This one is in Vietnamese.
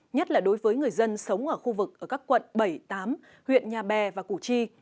nhất là đối với người dân sống ở khu vực ở các quận bảy tám huyện nhà bè và củ chi